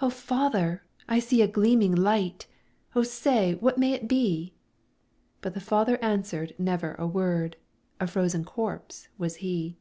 'O father! I see a gleaming light, O say, what may it be?' But the father answered never a word, A frozen corpse was he.